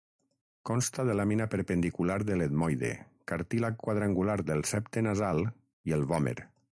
Consta de làmina perpendicular de l'etmoide, cartílag quadrangular del septe nasal, i el vòmer.